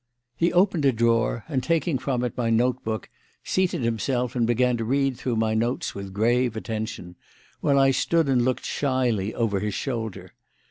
He opened a drawer, and taking from it my note book, seated himself, and began to read through my notes with grave attention, while I stood and looked shyly over his shoulder.